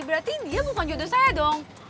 berarti dia bukan jodoh saya dong